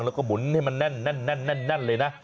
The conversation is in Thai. แล้วก็หมุนให้มันแน่นเลยนะ